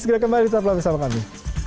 segera kembali bersama sama kami